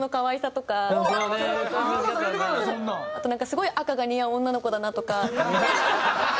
あとなんかすごい赤が似合う女の子だなとか。